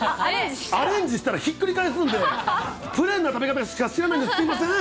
アレンジしたら、ひっくり返すんで、プレーンな食べ方しか知らないんです、すみません。